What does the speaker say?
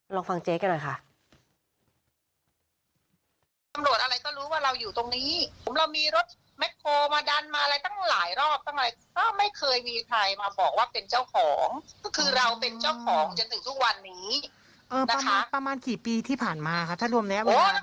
ลองฟังเจ๊กันหน่อยค่ะ